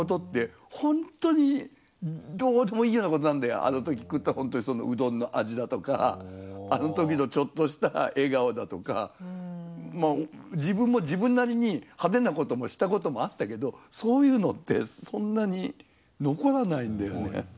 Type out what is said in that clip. あの時食ったそのうどんの味だとかあの時のちょっとした笑顔だとかまあ自分も自分なりに派手なこともしたこともあったけどそういうのってそんなに残らないんだよね。